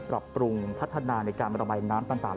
ปรับปรุงพัฒนาในการระบายน้ำต่าง